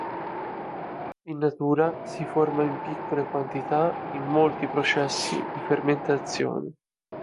In natura si forma in piccole quantità in molti processi di fermentazione.